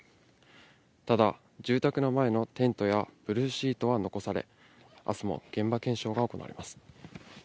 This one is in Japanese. ただ住宅の前のテントやブルーシートは残され、あすも現場検証が行われます。